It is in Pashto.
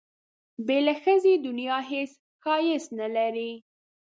بې له ښځې دنیا هېڅ ښایست نه لري.